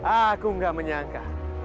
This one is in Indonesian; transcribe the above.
aku enggak menyangka